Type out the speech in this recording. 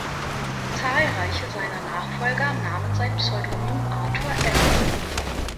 Zahlreiche seiner Nachfolger nahmen sein Pseudonym Artur Ellis an.